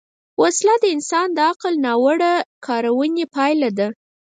وسله د انسان د عقل ناوړه کارونې پایله ده